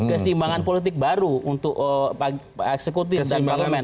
keseimbangan politik baru untuk eksekutif dan parlemen